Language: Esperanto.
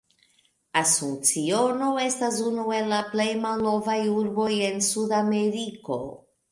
Asunciono estas unu el la plej malnovaj urboj en Sudameriko.